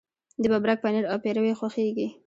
د ببرک پنیر او پیروی خوښیږي.